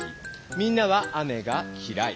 みんなは雨がきらい。